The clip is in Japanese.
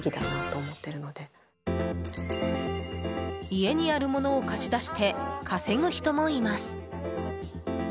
家にあるものを貸し出して稼ぐ人もいます。